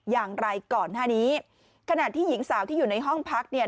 อย่างไรก่อนหน้านี้ขณะที่หญิงสาวที่อยู่ในห้องพักเนี่ย